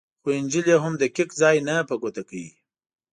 خو انجیل یې هم دقیق ځای نه په ګوته کوي.